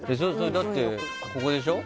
だって、ここでしょ？